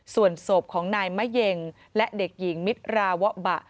ส่วนศพของนายมะเย็งและเด็กหญิงมิตราวะบะ